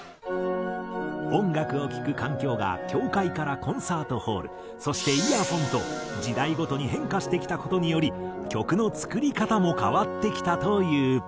音楽を聴く環境が教会からコンサートホールそしてイヤフォンと時代ごとに変化してきた事により曲の作り方も変わってきたという。